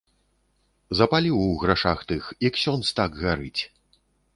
Запаліў у грашах тых, і ксёндз так гарыць.